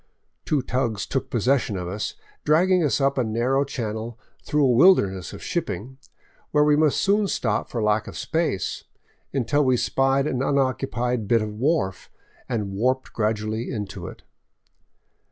Two tugs took possession of us, dragging us up a narrow channel through a wilderness of shipping, where we must soon stop for lack of space, until we spied an unoccupied bit of wharf and warped gradually into it.